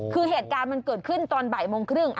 คือเหตุการณ์มันเกิดขึ้นตอนบ่ายโมงครึ่ง